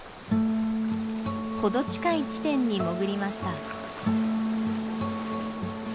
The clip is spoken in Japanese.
程近い地点に潜りました。